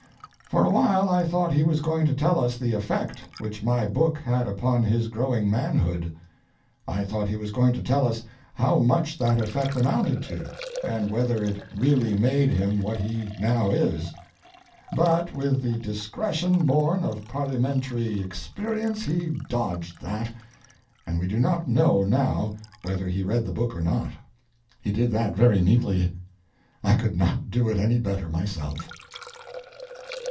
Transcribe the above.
For a while I thought he was going to tell us the effect which my book had upon his growing manhood. I thought he was going to tell us how much that effect amounted to, and whether it really made him what he now is, but with the discretion born of Parliamentary experience he dodged that, and we do not know now whether he read the book or not. He did that very neatly. I could not do it any better myself.